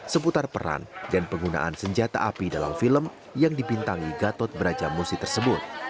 seputar peran dan penggunaan senjata api dalam film yang dibintangi gatot brajamusi tersebut